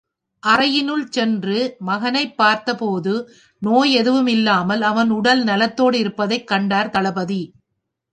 அறையினுள் சென்று மகனைப் பார்த்த போது, நோய் எதுவும் இல்லாமல் அவன் உடல் நலத்தோடு இருப்பதைக் கண்டார் தளபதி.